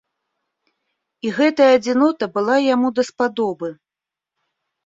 І гэтая адзінота была яму даспадобы.